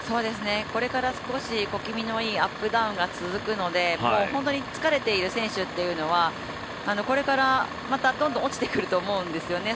これから少し小気味のいいアップダウンが続くので本当に疲れている選手はこれから、またどんどん落ちてくると思うんですね。